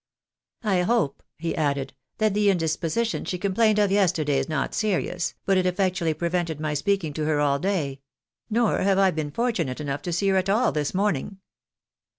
" I hope," he added, " that the indisposition she complained of yesterday is not serious, but it effectually prevented my speaking to her all day ; nor have I been fortunate enough to see her at all this morning."